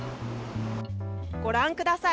ご覧ください。